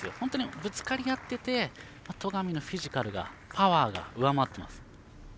ぶつかり合っていて戸上のフィジカルがパワーが上回っています。